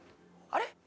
あれ？